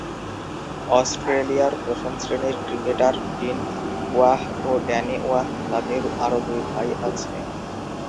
অস্ট্রেলিয়ার প্রথম-শ্রেণীর cricketer Dean Waugh ও ড্যানি ওয়াহ তাদের আরো দুই ভাই আছে।